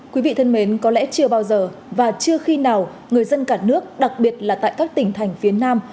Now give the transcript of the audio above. quý vị thân mến có lẽ chưa bao giờ và chưa khi nào người dân cả nước đặc biệt là tại các tỉnh thành phía nam